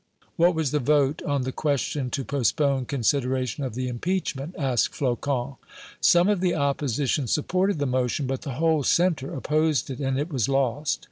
"What was the vote on the question to postpone consideration of the impeachment?" asked Flocon. "Some of the opposition supported the motion, but the whole centre opposed it, and it was lost.